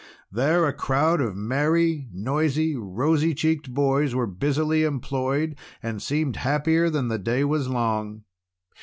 There a crowd of merry, noisy, rosy cheeked boys were busily employed, and seemed happier than the day was long.